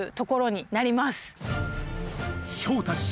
昇太師匠